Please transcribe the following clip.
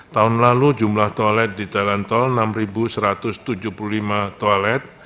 tahun lalu jumlah toilet di jalan tol enam satu ratus tujuh puluh lima toilet